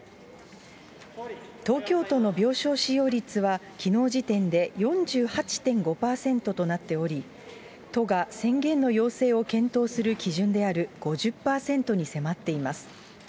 東京都の病床使用率は、きのう時点で４８．５％となっており、都が宣言の要請を検討する基準である５０％に迫っています。